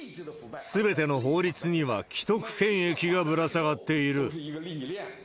すべての法律には既得権益がぶら下がっている。